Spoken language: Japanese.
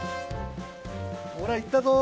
ほらいったぞ！